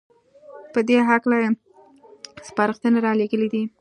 په دې هکله يې سپارښنې رالېږلې دي